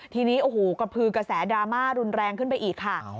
ทีนี้โอ้โหกระพือกระแสดราม่ารุนแรงขึ้นไปอีกค่ะ